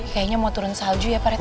kayaknya mau turun salju ya pak red